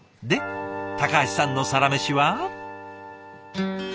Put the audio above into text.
で橋さんのサラメシは？